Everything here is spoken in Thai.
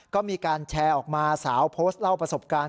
ก็มีการแชร์ออกมาสาวโพสต์เล่าประสบการณ์